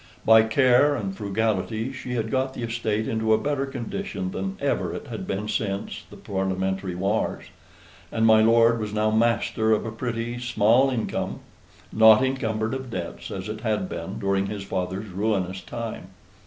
By care and frugality, she had got the estate into a better condition than ever it had been since the Parliamentary wars; and my lord was now master of a pretty, small income, not encumbered of debts, as it had been, during his father's ruinous time.